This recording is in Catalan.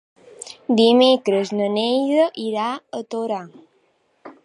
Dimecres na Neida irà a Torà.